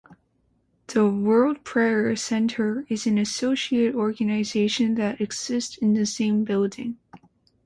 The World Prayer Center is an associate organisation that exists in the same building.